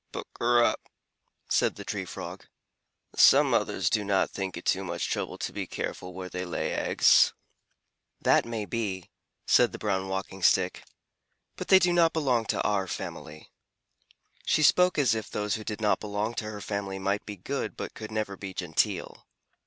"Puk r r rup!" said the Tree Frog. "Some mothers do not think it too much trouble to be careful where they lay eggs." "That may be," said the Brown Walking Stick, "but they do not belong to our family." She spoke as if those who did not belong to her family might be good but could never be genteel.